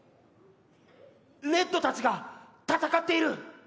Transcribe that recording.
レッドたちが戦っている！